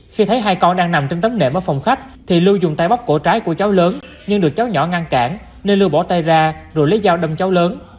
khi thấy hai con đang nằm trên tấm nệm ở phòng khách thì lưu dùng tay bóc cổ trái của cháu lớn nhưng được cháu nhỏ ngăn cản nên lưu bỏ tay ra rồi lấy dao đâm cháu lớn